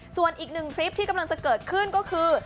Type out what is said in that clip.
ส่วนอีกหนึ่งคลิปที่กำลังจะเกิดขึ้นก็คือ